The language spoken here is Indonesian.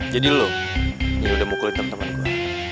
jadi lu yang udah mukulin temen temen gua